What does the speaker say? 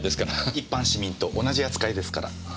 一般市民と同じ扱いですから。